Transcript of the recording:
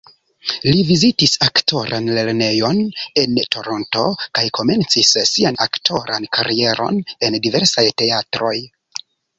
Li vizitis aktoran lernejon en Toronto kaj komencis sian aktoran karieron en diversaj teatroj.